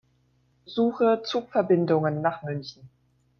Suche Zugverbindungen nach München.